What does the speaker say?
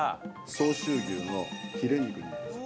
相州牛のヒレ肉になります。